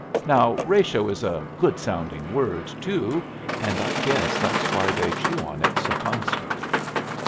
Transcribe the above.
"Now ratio is a good sounding word too, and I guess that's why they chew on it so constant.